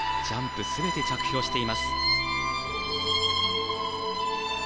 ジャンプ全て着氷しています。